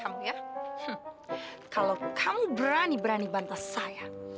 kamu ya kalau kamu berani berani bantah saya